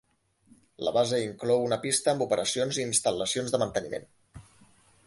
La base inclou una pista amb operacions i instal·lacions de manteniment.